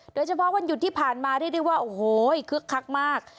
โดยเฉพาะวันหยุดที่ผ่านมาได้ดีว่าโอ้โหคึกคักมาก